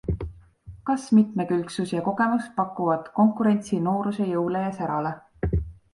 Kas mitmekülgsus ja kogemus pakuvad konkurentsi nooruse jõule ja särale?